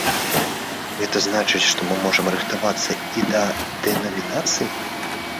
Гэта значыць, што мы можам рыхтавацца і да дэнамінацыі?